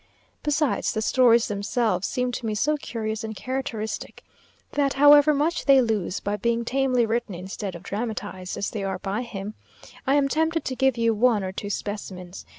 Besides, the stories themselves seem to me so curious and characteristic, that however much they lose by being tamely written instead of dramatized as they are by him, I am tempted to give you one or two specimens.